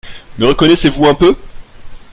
Me reconnaissez-vous un peu ?